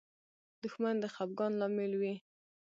دښمن د خفګان لامل وي